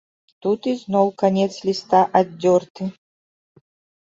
Тут ізноў канец ліста аддзёрты.